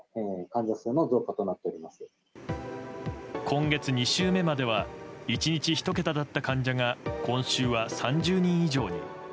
今月２週目までは１日１桁だった患者が今週は３０人以上に。